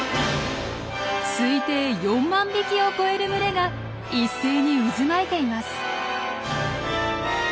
推定４万匹を超える群れが一斉に渦巻いています。